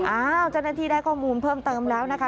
เจ้าหน้าที่ได้ข้อมูลเพิ่มเติมแล้วนะคะ